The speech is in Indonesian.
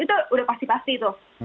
itu udah pasti pasti tuh